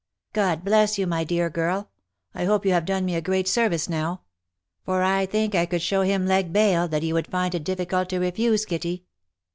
" God bless you, my dear girl ! 1 hope you have done me a great service now ; for I think I could show him leg bail, that he would find it difficult to refuse, Kitty.